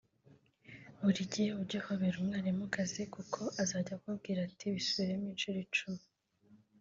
Buri gihe ujye uhobera umukobwa w’umwarimu kazi kuko azajya akubwira ati"bisubiremo inshuro icumi"